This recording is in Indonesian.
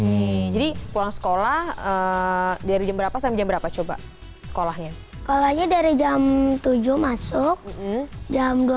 nih jadi pulang sekolah dari berapa sampai berapa coba sekolahnya sekolahnya dari jam tujuh masuk jam